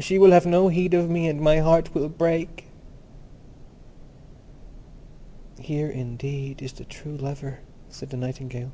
She will have no heed of me, and my heart will break." "Here indeed is the true lover," said the Nightingale.